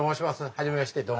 初めましてどうも。